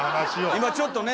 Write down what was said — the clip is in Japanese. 今ちょっとね